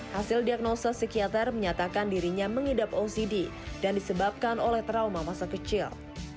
hasil diagnosa psikiater menyatakan dirinya mengidap ocd dan disebabkan oleh trauma masa kecil